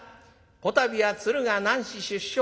こたびは鶴が男子出生。